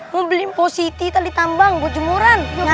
mau beli positi tali tambang buat jemuran